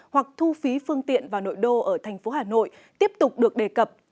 hoặc thu phí phương tiện vào nội đô ở thành phố hà nội tiếp tục được đề cập